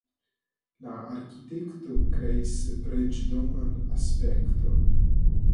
La arkitekto kreis preĝdoman aspekton.